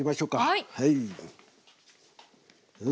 はい。